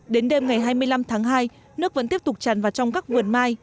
đến đêm ngày hai mươi năm tháng hai nước vẫn tiếp tục tràn vào trong các vườn mai